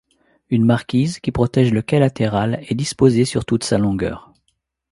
Une marquise, qui protège le quai latéral, est disposée sur toute sa longueur.